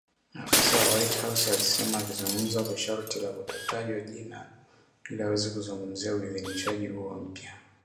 Afisa wa White House alisema akizungumza kwa sharti la kutotajwa jina, ili aweze kuzungumzia uidhinishaji huo mpya